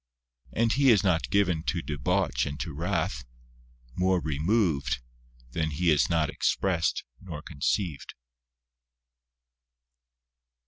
and He is not given to debauch and to wrath, more (removed) than He is not expressed nor conceived.